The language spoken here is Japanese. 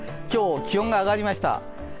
今日、気温が上がりました。